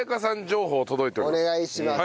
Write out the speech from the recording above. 情報届いております。